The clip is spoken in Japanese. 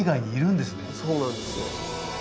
そうなんですよ。